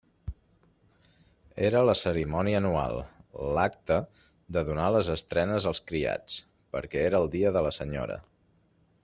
Era la cerimònia anual, l'acte de donar les estrenes als criats, perquè era el dia de la senyora.